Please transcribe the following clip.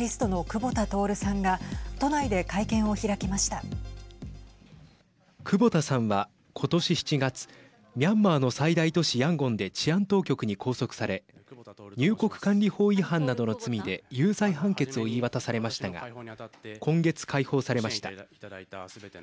久保田さんは今年７月ミャンマーの最大都市ヤンゴンで治安当局に拘束され入国管理法違反などの罪で有罪判決を言い渡されましたが今月、解放されました。